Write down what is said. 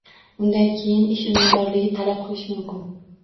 Undan keyin ish unumdorligini talab qilish mumkin.